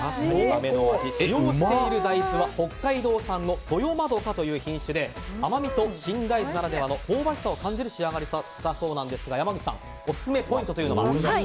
使用している大豆は北海道産のとよまどかという大豆で甘みと新大豆ならではの香ばしさを感じる仕上がりだそうですが山口さん、オススメポイントが。